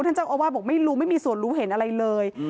ท่านเจ้าอาวาสบอกไม่รู้ไม่มีส่วนรู้เห็นอะไรเลย